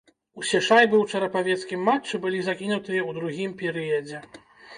Усе шайбы ў чарапавецкім матчы былі закінутыя ў другім перыядзе.